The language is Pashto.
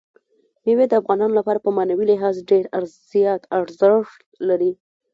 مېوې د افغانانو لپاره په معنوي لحاظ ډېر زیات ارزښت لري.